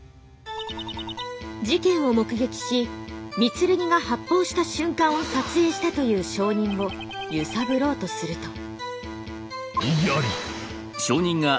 事件を目撃し御剣が発砲した瞬間を撮影したという証人をゆさぶろうとすると。